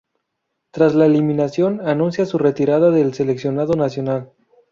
Tras la eliminación, anuncia su retirada del seleccionado nacional.